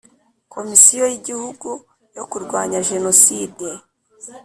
Komisiyo y Igihugu yo kurwanya Jenoside